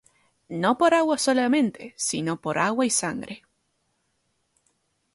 no por agua solamente, sino por agua y sangre.